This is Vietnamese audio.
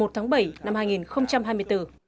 tháng bảy năm hai nghìn hai mươi bốn